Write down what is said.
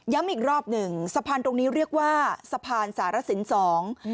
อีกรอบหนึ่งสะพานตรงนี้เรียกว่าสะพานสารสินสอง